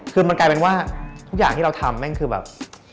คือมันกลายเป็นว่าทุกอย่างที่เราทำแม่งคือแบบ